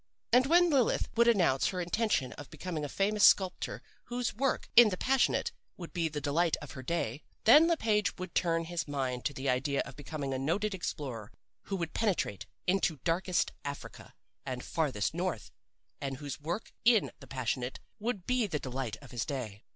"And when Lilith would announce her intention of becoming a famous sculptor whose work in the passionate would be the delight of her day, then Le Page would turn his mind to the idea of becoming a noted explorer who would penetrate into Darkest Africa and Farthest North, and whose work in the passionate would be the delight of his day.